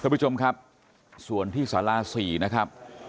ทุกผู้ชมครับส่วนที่ศาลาสี่นะครับ